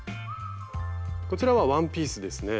こちらはワンピースですね。